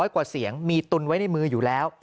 กว่าเสียงมีตุนไว้ในมืออยู่แล้ว